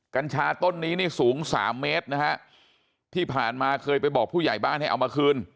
กัญชาต้นนี้นี่สูงสามเมตรนะฮะที่ผ่านมาเคยไปบอกผู้ใหญ่บ้านให้เอามาคืน